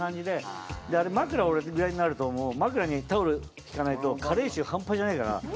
で枕俺ぐらいになるともう枕にタオル敷かないと加齢臭半端じゃないから。